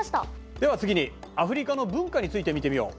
では次にアフリカの文化について見てみよう。